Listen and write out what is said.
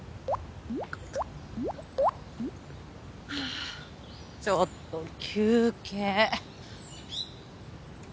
あちょっと休憩。